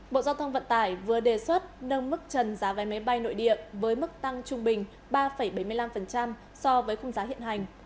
bộ giao thông vận tải vừa đề xuất nâng mức trần giá vé máy bay nội địa với mức tăng trung bình ba bảy mươi năm so với khung giá hiện hành